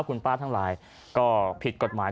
คุณป้าทั้งหลายก็ผิดกฎหมาย